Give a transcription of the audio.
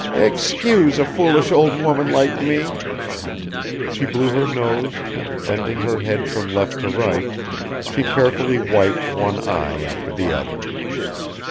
"Excuse a foolish old woman like me." She blew her nose, and bending her head from left to right, she carefully wiped one eye after the other.